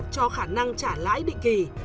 cho khả năng trả lãi định kỳ